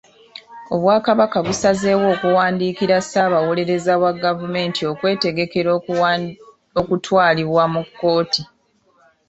Obwakabaka busazeewo okuwandiikira Ssaabawolereza wa gavumenti okwetegekera okutwalibwa mu kkooti.